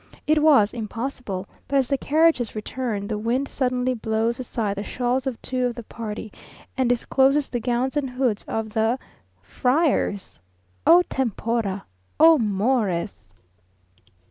It was impossible, but as the carriages return, the wind suddenly blows aside the shawls of two of the party, and discloses the gowns and hoods of the friars! _O tempora! O Mores!